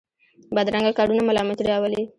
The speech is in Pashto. بدرنګه کارونه ملامتۍ راولي